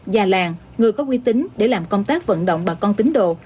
già làng người có uy tín để làm công tác vận động bà con tính đồ